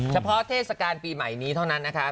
เทศกาลปีใหม่นี้เท่านั้นนะคะ